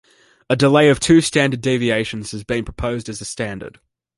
A delay of two standard deviations has been proposed as a standard.